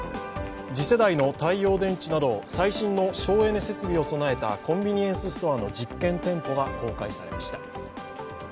次世代の太陽電池など最新の省エネ設備を備えたコンビニエンスストアの実験店舗が公開されました。